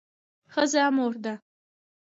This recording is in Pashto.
ښځه مور ده